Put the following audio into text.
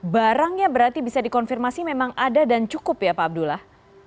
barangnya berarti bisa dikonfirmasi memang ada dan cukup ya pak abdullah